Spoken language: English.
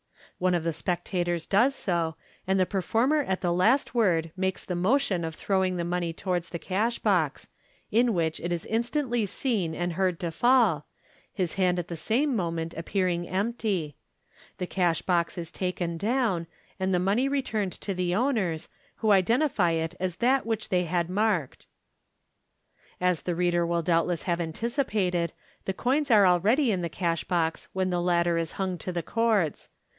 One of the spectators does so, and the performer at the last word makes the motion of throwing the money towards the Fig. 307. MODERN MAGIC. 4*4 cash box, in which it is instantly seen and heard to fall, his hand a* the same moment appearing empty. The cash box is taken down, and the money returned to the owners, who identify it as that which they had marked. As the reader will doubtless have anticipated, the coins are already in the cash box when the latter is hung to the cords.